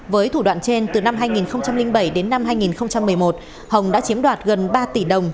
với thủ đoạn trên từ năm hai nghìn bảy đến năm hai nghìn một mươi một hồng đã chiếm đoạt gần ba tỷ đồng